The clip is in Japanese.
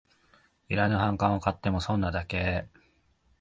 いらぬ反感を買っても損なだけ